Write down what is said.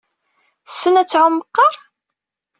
Tessen ad tɛum meqqar?